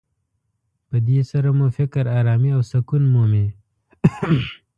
په دې سره مو فکر ارامي او سکون مومي.